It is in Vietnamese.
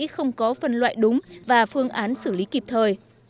không có phân loại đúng và phương án xử lý kịp thời